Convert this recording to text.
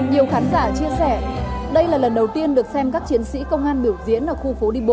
nhiều khán giả chia sẻ đây là lần đầu tiên được xem các chiến sĩ công an biểu diễn ở khu phố đi bộ